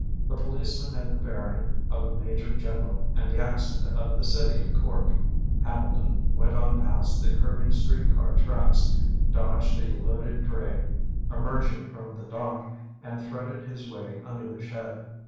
The policeman had the bearing of a major general and the accent of the city of Cork. Hambleton went on past the curving street car tracks, dodged a loaded dray emerging from the dock, and threaded his way under the shed.